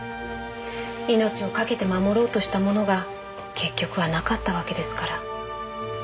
命をかけて守ろうとしたものが結局はなかったわけですから。